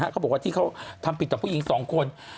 เขาบอกว่าที่เขาทำผิดต่อผู้หญิง๒คน